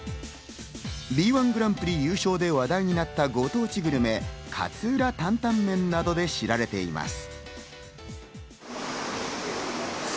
Ｂー１グランプリで優勝し、話題になったご当地グルメ、勝浦タンタンメンなどで知られています。